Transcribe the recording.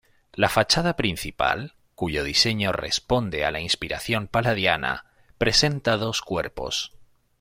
La fachada principal, cuyo diseño responde a la inspiración palladiana, presenta dos cuerpos.